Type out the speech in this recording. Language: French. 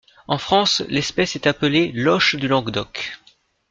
En France, l'espèce est appelée Loche du Languedoc.